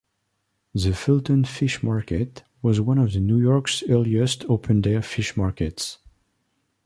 The Fulton Fish Market was one of New York's earliest open-air fish markets.